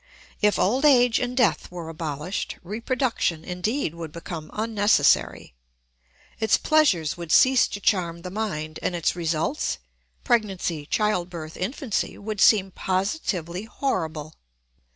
If old age and death were abolished, reproduction, indeed, would become unnecessary: its pleasures would cease to charm the mind, and its results—pregnancy, child birth, infancy—would seem positively horrible.